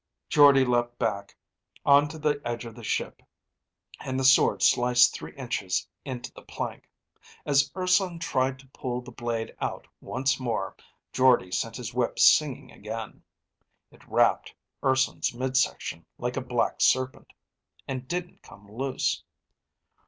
Jordde leapt back onto the edge of the ship, and the sword sliced three inches into the plank. As Urson tried to pull the blade out once more, Jordde sent his whip singing again. It wrapped Urson's mid section like a black serpent, and it didn't come loose.